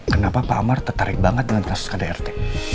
kenapa pak amar tertarik banget dengan kasus kdrt